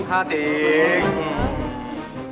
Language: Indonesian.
tuh tuh tuh